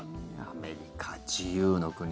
アメリカ、自由の国。